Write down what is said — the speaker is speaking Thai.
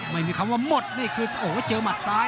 ไม่มีคำว่าหมดขยับแล้วเจอความสาย